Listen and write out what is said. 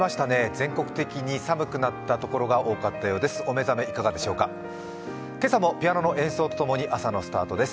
全国的に寒くなった所が多かったようです。